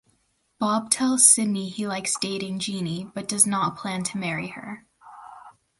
Bob tells Sidney he likes dating Jeanie, but does not plan to marry her.